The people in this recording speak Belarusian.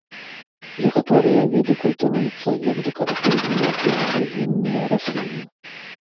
Некаторыя віды культывуюцца як дэкаратыўныя і агароднінныя расліны.